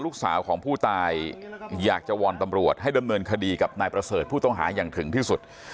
ลูกสาวของผู้ตายอยากจะวอนตำรวจให้ดำเนินคดีกับนายประเสริฐผู้ต้องหาอย่างถึงที่สุด